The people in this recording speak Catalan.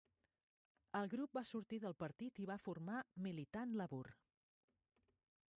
El grup va sortir del partit i va formar Militant Labour.